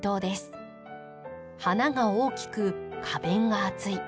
花が大きく花弁が厚い。